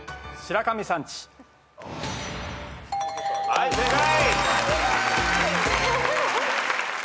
はい正解。